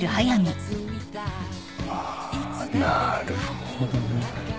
ああなるほどね。